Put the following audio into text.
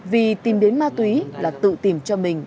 vì tìm đến ma túy là tự tìm cho mình